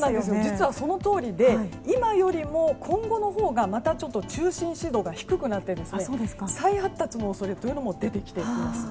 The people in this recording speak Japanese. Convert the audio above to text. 実はそのとおりで今よりも今後のほうが中心気圧が低くなって再発達の恐れも出てきています。